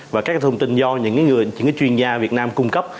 và các cái thông tin do những cái chuyên gia việt nam cung cấp